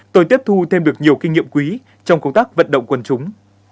tôi tiếp thu thêm được nhiều kinh nghiệm quý trong công tác vận động quân chúng